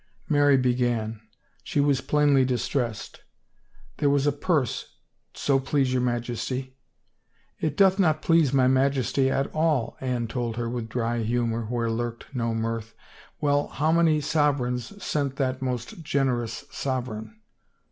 Mary began. She was plainly distressed. " There was a purse, so please your Majesty." " It doth not please my Majesty at all," Anne told her with dry humor where lurked no mirth. " Well, how many sovereigns sent that most generous sovereign?